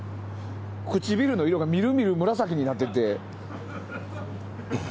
唇の色がみるみる紫になっていて。